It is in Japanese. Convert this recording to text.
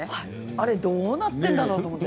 あれどうなってんだろうと思って。